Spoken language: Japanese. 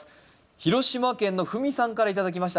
広島県のふみさんから頂きました。